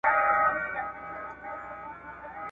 غلامان دي د بل غولي ته روزلي ..